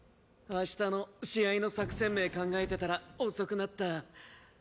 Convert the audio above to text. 明日の試合の作戦名考えてたら遅くなった。